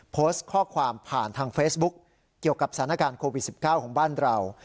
โพสต์ข้อความผ่านทางเฟซบุ๊กเกี่ยวกับสถานการณ์โควิด๑๙ของบ้านเรา